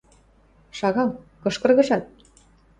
Шагал, кыш кыргыжат?!